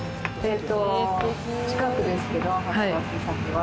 近くですけど働く先は。